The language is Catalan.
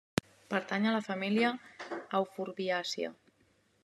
Pertany a la família euforbiàcia.